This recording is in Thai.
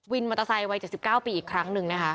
มอเตอร์ไซค์วัย๗๙ปีอีกครั้งหนึ่งนะคะ